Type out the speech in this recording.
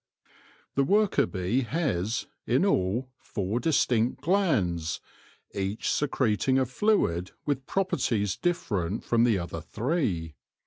The worker bee has, in all, four distinct glands, each secreting a fluid with properties different from the other three.